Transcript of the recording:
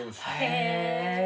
へえ。